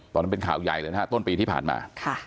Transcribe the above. มันเป็นข่าวใหญ่เลยนะฮะต้นปีที่ผ่านมา